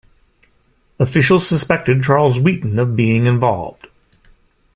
Officials suspected Charles Wheaton of being involved.